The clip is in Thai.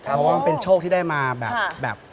เพราะว่าเป็นโชคที่ได้มาแบบเราไม่คาดฝันนะครับ